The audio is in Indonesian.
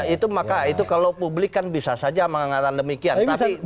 itu maka itu kalau publik kan bisa saja mengatakan demikian